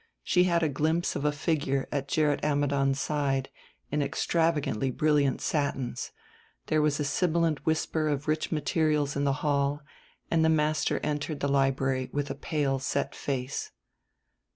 She had a glimpse of a figure at Gerrit Ammidon's side in extravagantly brilliant satins; there was a sibilant whisper of rich materials in the hall, and the master entered the library with a pale set face.